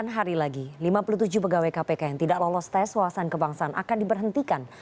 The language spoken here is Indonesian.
delapan hari lagi lima puluh tujuh pegawai kpk yang tidak lolos tes wawasan kebangsaan akan diberhentikan